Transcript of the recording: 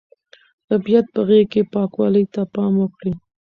د طبیعت په غېږ کې پاکوالي ته پام وکړئ.